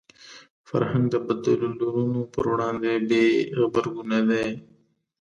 فرهنګ د بدلونونو پر وړاندې بې غبرګونه دی